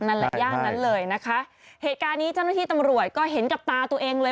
นั่นแหละย่านนั้นเลยนะคะเหตุการณ์นี้เจ้าหน้าที่ตำรวจก็เห็นกับตาตัวเองเลย